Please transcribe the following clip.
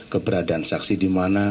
keberadaan saksi di rumah wilayah ini ya